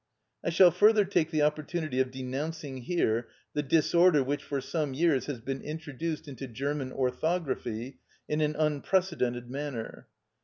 I shall further take the opportunity of denouncing here the disorder which for some years has been introduced into German orthography in an unprecedented manner.